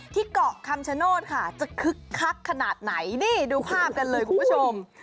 เกาะคำชโนธค่ะจะคึกคักขนาดไหนนี่ดูภาพกันเลยคุณผู้ชม